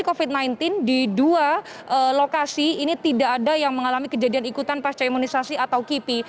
di antaranya dua orang yang masih dilakukan vaksinasi covid sembilan belas di dua lokasi ini tidak ada yang mengalami kejadian ikutan pasca imunisasi atau kipi